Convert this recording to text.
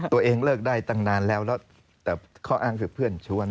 ตัวเองเลิกได้ตั้งนานแล้วแล้วแต่ข้ออ้างคือเพื่อนชวน